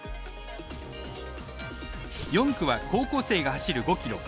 ４区は、高校生が走る５ｋｍ。